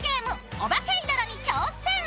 「オバケイドロ！」に挑戦。